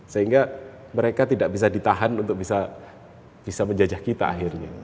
sehingga mereka tidak bisa ditahan untuk bisa menjajah kita akhirnya